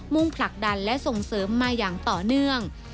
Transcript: ่งผลักดันและส่งเสริมมาอย่างต่อเนื่อง